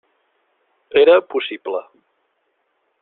Era possible.